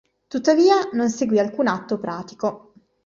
Tuttavia non seguì alcun atto pratico.